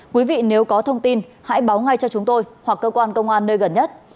quý vị nếu có thông tin hãy báo ngay cho chúng tôi hoặc cơ quan công an nơi gần nhất